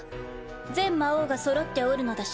全魔王がそろっておるのだし